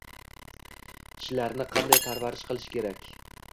Tishlarni qanday parvarish qilish kerak?